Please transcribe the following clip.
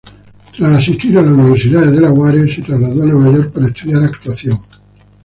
Tras asistir a Universidad de Delaware, se trasladó a Nueva York para estudiar actuación.